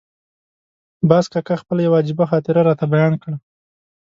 باز کاکا خپله یوه عجیبه خاطره راته بیان کړه.